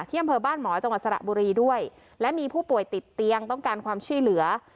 อำเภอบ้านหมอจังหวัดสระบุรีด้วยและมีผู้ป่วยติดเตียงต้องการความช่วยเหลือ